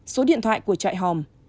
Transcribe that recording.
số điện thoại của trại hòm